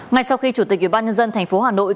ngay sau khi chủ tịch ubnd tp hà nội